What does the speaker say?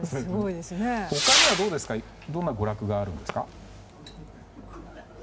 他にはどんな娯楽があるんですか？